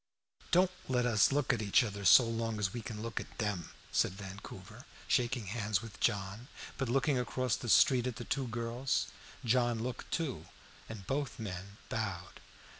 "Don't let us look at each other so long as we can look at them," said Vancouver, shaking hands with John, but looking across the street at the two girls. John looked too, and both men bowed.